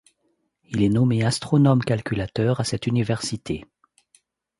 Il est nommé astronome-calculateur à cette université.